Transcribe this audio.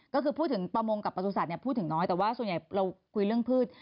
ก็คือพูดถึงประมงกับประสุทธิ์พูดถึงน้อยแต่ว่าส่วนใหญ่เราคุยเรื่องพืช